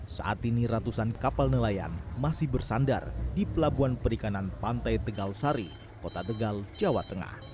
saat ini ratusan kapal nelayan masih bersandar di pelabuhan perikanan pantai tegal sari kota tegal jawa tengah